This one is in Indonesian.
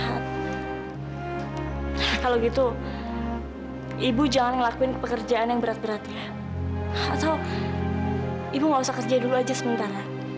atau ibu nggak usah kerja dulu aja sementara